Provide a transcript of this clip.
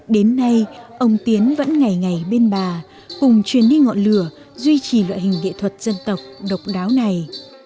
đến nay ông tiến vẫn ngày ngày bên bà cùng truyền đi ngọn lửa duy trì loại hình nghệ thuật dân tộc độc đáo này